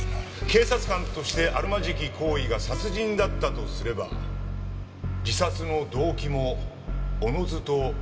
「警察官としてあるまじき行為」が殺人だったとすれば自殺の動機もおのずと推測が可能でしょう。